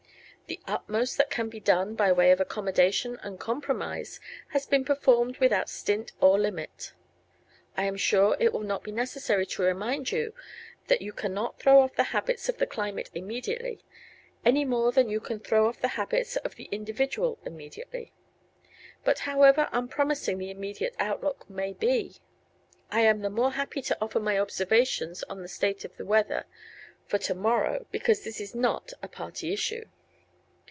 The utmost that can be done by way of accommodation and compromise has been performed without stint or limit. I am sure it will not be necessary to remind you that you cannot throw off the habits of the climate immediately, any more than you can throw off the habits of the individual immediately. But however unpromising the immediate outlook may be, I am the more happy to offer my observations on the state of the weather for to morrow because this is not a party issue.